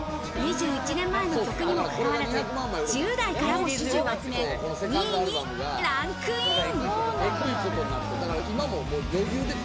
２１年前の曲にもかかわらず、１０代からも支持を集め、２位にランクイン。